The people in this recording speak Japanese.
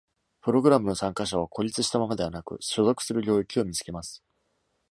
プログラムの参加者は、孤立したままではなく、所属する領域を見つけます。